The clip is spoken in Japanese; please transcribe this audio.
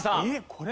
これ？